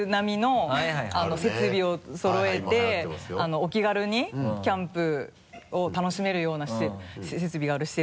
お気軽にキャンプを楽しめるような設備がある施設。